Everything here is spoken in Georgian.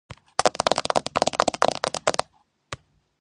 მდებარეობს მესხეთის ქედის ჩრდილოეთ მთისწინეთზე.